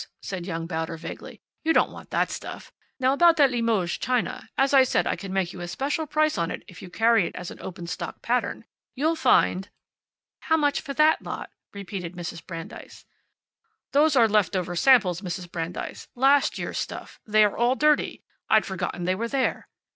said young Bauder vaguely. "You don't want that stuff. Now, about that Limoges china. As I said, I can make you a special price on it if you carry it as an open stock pattern. You'll find " "How much for that lot?" repeated Mrs. Brandeis. "Those are left over samples, Mrs. Brandeis. Last year's stuff. They're all dirty. I'd forgotten they were there."